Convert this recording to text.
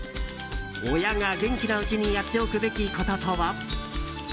親が元気なうちにやっておくべきことは？